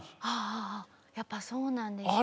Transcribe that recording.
ああやっぱそうなんですね。